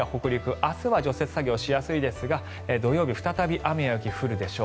明日は除雪作業しやすいですが土曜日再び雨や雪が降るでしょう。